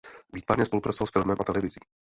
Výtvarně spolupracoval s filmem a televizí.